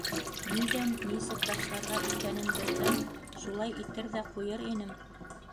Ниҙән нисек башларға икәнен белһәм, шулай итер ҙә ҡуйыр инем.